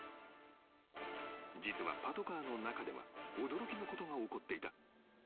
［実はパトカーの中では驚きのことが起こっていた］